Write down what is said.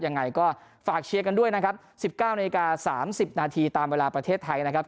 ยังไงก็ฝากเชียร์กันด้วยนะครับ๑๙นาที๓๐นาทีตามเวลาประเทศไทยนะครับ